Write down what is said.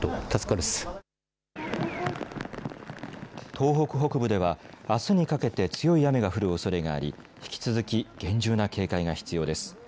東北北部ではあすにかけて強い雨が降るおそれがあり引き続き厳重な警戒が必要です。